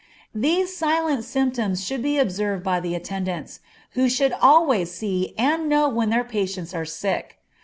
These silent symptoms should be observed by the attendants, who should always see and know when their patients are sick.